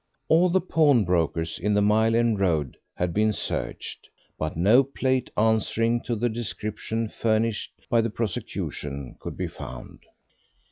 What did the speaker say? All the pawnbrokers in the Mile End Road had been searched, but no plate answering to the description furnished by the prosecution could be found.